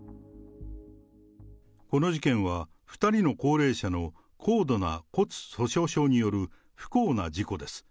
この事件は、２人の高齢者の高度な骨粗しょう症による不幸な事故です。